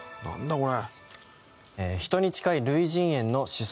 これ。